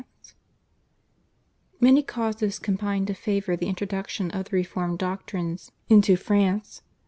iii. (a). Many causes combined to favour the introduction of the reformed doctrines into France.